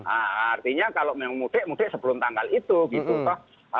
artinya kalau yang mudik mudik sebelum tanggal itu gitu